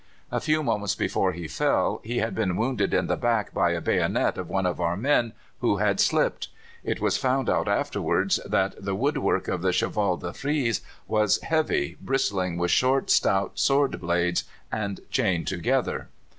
A few moments before he fell he had been wounded in the back by a bayonet of one of our men who had slipped. It was found out afterwards that the woodwork of the cheval de frise was heavy, bristling with short, stout sword blades and chained together.